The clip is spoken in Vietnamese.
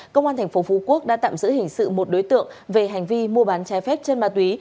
công an tp phú quốc đã tạm giữ hình sự một đối tượng về hành vi mua bán trái phép trên ma túy